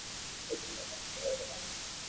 এই সিনেমায় কেউ মরবে না।